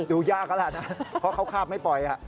ดูยากแล้วล่ะนะเพราะเขาคาบไม่ปล่อย